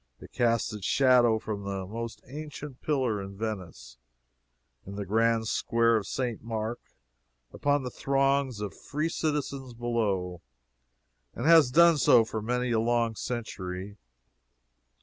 It casts its shadow from the most ancient pillar in Venice, in the Grand Square of St. Mark, upon the throngs of free citizens below, and has so done for many a long century.